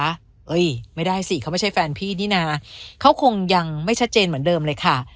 เฮ้ยไม่ได้สิเขาไม่ใช่แฟนพี่นี่นะเขาคงยังไม่ชัดเจนเหมือนเดิมเลยค่ะ